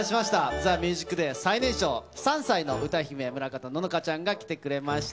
ＴＨＥＭＵＳＩＣＤＡＹ最年少、３歳の歌姫、村方乃々佳ちゃんが来てくれました。